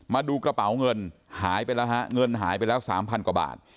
มาดูกระเป๋าเงินหายไปแล้วฮะเงินหายไปแล้ว๓๐๐กว่าบาท